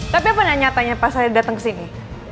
tapi apa nih nyatanya pas saya datang kesini